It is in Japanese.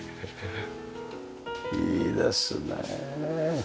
いいですねえ。